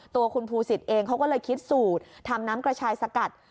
ตัวคุณภูศิษย์เองเขาก็เลยคิดสูตรทำน้ำกระชายสกัด